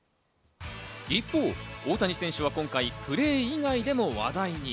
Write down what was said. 一方、大谷選手は今回プレー以外でも話題に。